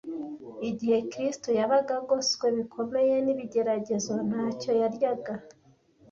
Igihe Kristo yabaga agoswe bikomeye n’ibigeragezo, ntacyo yaryaga.